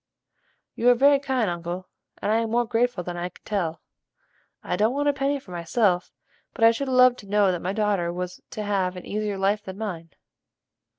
"You are very kind, uncle; and I am more grateful than I can tell. I don't want a penny for myself, but I should love to know that my daughter was to have an easier life than mine."